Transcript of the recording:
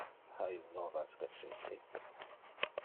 Ha il novas recente?